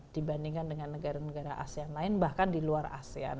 dibandingkan dengan negara negara asean lain bahkan di luar asean